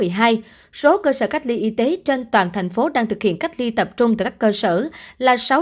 các cơ sở cách ly y tế trên toàn thành phố đang thực hiện cách ly tập trung tại các cơ sở là